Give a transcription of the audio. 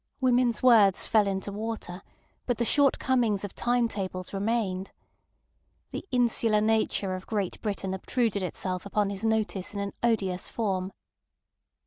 Women's words fell into water, but the shortcomings of time tables remained. The insular nature of Great Britain obtruded itself upon his notice in an odious form.